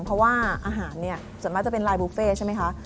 เพราะว่าอาหารเนี่ยส่วนมากจะเป็นลายบุฟเฟ่ใช่ไหมคะ